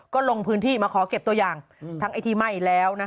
ก็ลงพื้นที่มาขอเก็บตัวอย่างทั้งไอ้ที่ไหม้แล้ว